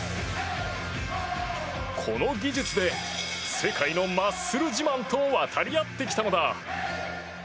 この技術で世界のマッスル自慢と渡り合ってきたのだ。